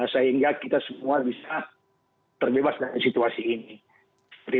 sehingga kita semua bisa terbebas dari situasi ini